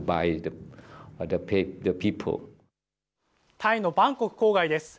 タイのバンコク郊外です。